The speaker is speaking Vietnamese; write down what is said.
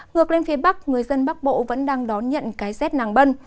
ngược lên phía bắc người dân bắc bộ vẫn đang đón nhận cái rét nàng bân